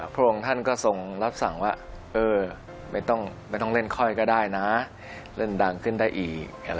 พระองค์ท่านก็ทรงรับสั่งว่าไม่ต้องเล่นค่อยก็ได้นะเล่นดังขึ้นได้อีก